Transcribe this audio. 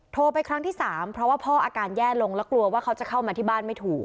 โทรไปครั้งที่สามเพราะว่าพ่ออาการแย่ลงแล้วกลัวว่าเขาจะเข้ามาที่บ้านไม่ถูก